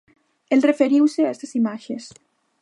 El referiuse a estas imaxes.